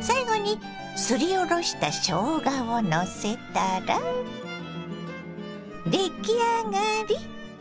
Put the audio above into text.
最後にすりおろしたしょうがをのせたら出来上がり。